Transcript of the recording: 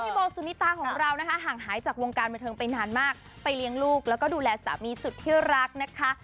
โบสุนิตาของเรานะคะห่างหายจากวงการบันเทิงไปนานมากไปเลี้ยงลูกแล้วก็ดูแลสามีสุดที่รักนะคะ